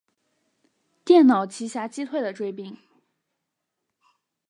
电脑奇侠击退了追兵。